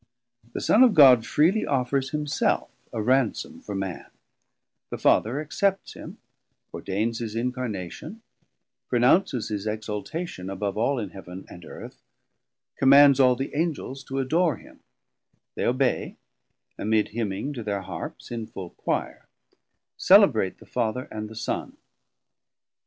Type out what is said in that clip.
The Son of God freely offers himself a Ransome for Man: the Father accepts him, ordains his incarnation, pronounces his exaltation above all in Heaven and Earth, commands all the Angels to adore him; they obey, amid hymning to their Harps in full Quire, celebrate the Father and the Son..